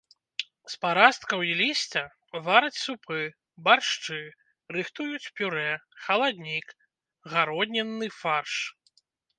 З парасткаў і лісця вараць супы, баршчы, рыхтуюць пюрэ, халаднік, гароднінны фарш.